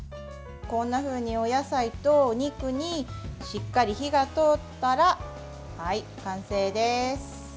こんなふうに、お野菜とお肉にしっかり火が通ったら完成です。